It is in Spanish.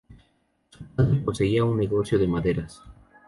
Su padre poseía un negocio de maderas.